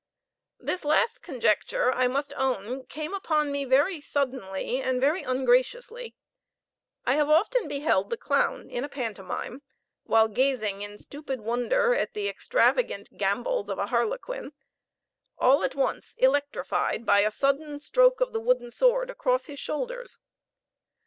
This last conjecture, I must own, came upon me very suddenly and very ungraciously. I have often beheld the clown in a pantomime, while gazing in stupid wonder at the extravagant gambols of a harlequin, all at once electrified by a sudden stroke of the wooden sword across his shoulders.